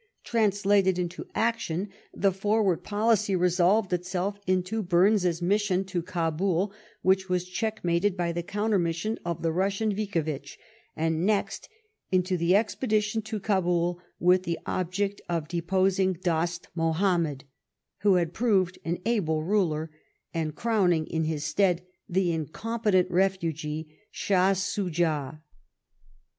Translated into action, the forward policy resolved itself into Bumes's mission to Oabul; which was checkmated by the counter mission of the Bussian Yicovitch, and next into the expedition to Gabul with the object of deposing Dost Mahommed, who had proved an able ruler, and crowning in his stead the incompetent refugee, Shah Soojah.